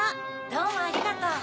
どうもありがとう。